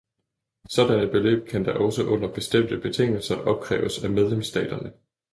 Sådanne beløb kan da også under bestemte betingelser opkræves af medlemsstaterne.